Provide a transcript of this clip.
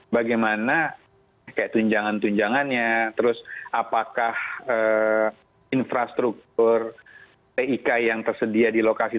bagaimana kayak tunjangan tunjangannya terus apakah infrastruktur tik yang tersedia di lokasi